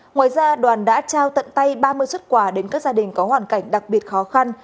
ngoài ra đoàn đã trao tận tay ba mươi xuất quà đến các gia đình có hoàn cảnh đặc biệt khó khăn